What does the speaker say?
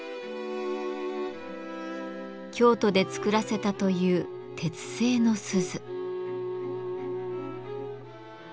京都で作らせたという鉄製の鈴。